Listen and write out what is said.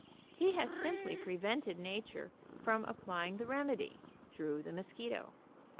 He has simply prevented nature from applying the remedy, through the mosquito.